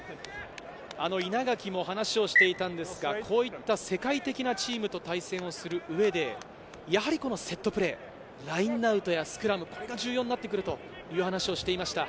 稲垣も話をしていたんですが、こういった世界的なチームと対戦をする上で、やはりセットプレー、ラインアウトやスクラム、これが重要になってくるという話をしていました。